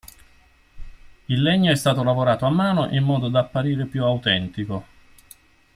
Il legno è stato lavorato a mano in modo da apparire più autentico.